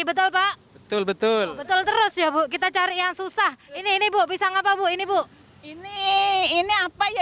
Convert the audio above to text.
betul pak betul betul betul terus ya bu kita cari yang susah ini ini bu pisang apa bu ini bu ini ini apanya